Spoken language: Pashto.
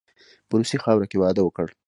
په روسي خاوره کې واده وکړ.